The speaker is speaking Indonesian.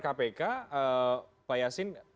kpk pak yasin